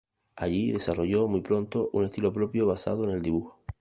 Allí desarrolló muy pronto un estilo propio, basado en el dibujo.